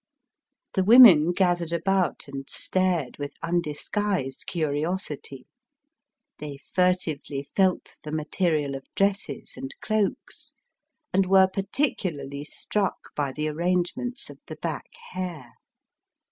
The women gathered about and stared with undisguised curiosity. They furtively felt the material of dresses and cloaks, and were particularly struck by the arrangements of the back hair.